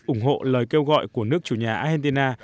ủng hộ lời kêu gọi của nước chủ nhà argentina